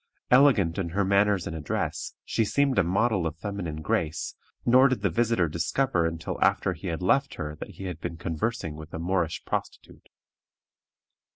Elegant in her manners and address, she seemed a model of feminine grace, nor did the visitor discover until after he had left her that he had been conversing with a Moorish prostitute.